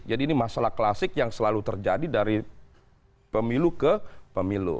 jadi ini masalah klasik yang selalu terjadi dari pemilu ke pemilu